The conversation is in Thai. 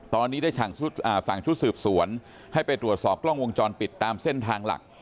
ตอนนี้ได้สั่งชุดสืบสวนให้ไปตรวจสอบกล้องวงจรปิดตามเส้นทางหลัก